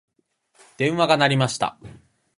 電話が鳴りました。